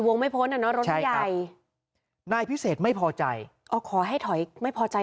วงไม่พ้นนะรถใหญ่นายพิเศษไม่พอใจขอให้ถอยไม่พอใจ